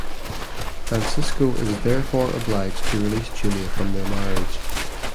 Francisco is therefore obliged to release Julia from their marriage.